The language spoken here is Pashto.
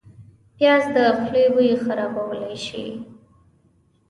پیاز د خولې بوی خرابولی شي